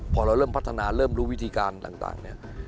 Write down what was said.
พอเราเริ่มพัฒนาเริ่มรู้วิธีการต่างเนี่ย